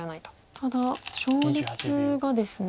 ただ勝率がですね